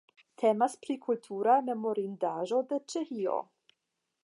Temas pri kultura memorindaĵo de Ĉeĥio.